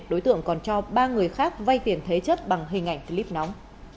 đối tượng còn cho ba người khác vay tiền thế chất bằng hình ảnh clip nóng